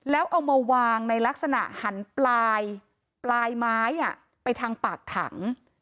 แล้วเอามาวางในลักษณะหันปลายไม้ไปทางปากถัง